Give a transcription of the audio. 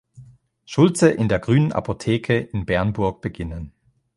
Schulze in der "Grünen Apotheke" in Bernburg beginnen.